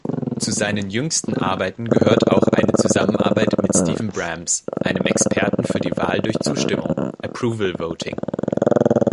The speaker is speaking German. Zu seinen jüngsten Arbeiten gehört auch eine Zusammenarbeit mit Steven Brams, einem Experten für die Wahl durch Zustimmung (Approval Voting).